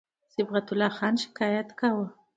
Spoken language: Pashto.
صبغت الله خان شکایت کاوه.